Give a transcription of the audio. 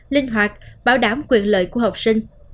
nhanh hoạt bảo đảm quyền lợi của học sinh